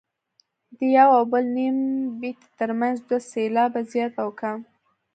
د یو او بل نیم بیتي ترمنځ دوه سېلابه زیات او کم.